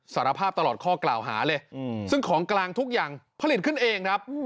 สารภาพตลอดข้อกล่าวหาเลยซึ่งของกลางทุกอย่างผลิตขึ้นเองครับ